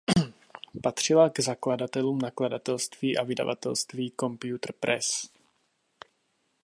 Patřila k zakladatelům nakladatelství a vydavatelství Computer Press.